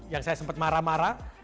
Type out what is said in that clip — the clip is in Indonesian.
yang saya sempat marah marah